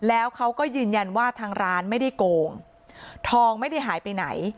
แล้วเขาก็ยืนยันว่าทางร้านไม่ได้โกงทองไม่ได้หายไปไหน